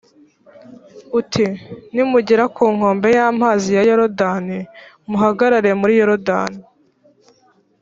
uti ’nimugera ku nkombe y’amazi ya yorudani, muhagarare muri yorudani.’»